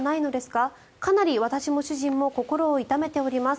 かなり私も主人も心を痛めております